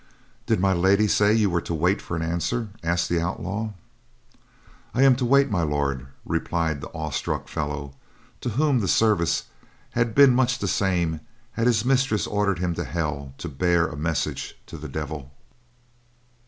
"Did My Lady say you were to wait for an answer?" asked the outlaw. "I am to wait, My Lord," replied the awestruck fellow, to whom the service had been much the same had his mistress ordered him to Hell to bear a message to the Devil.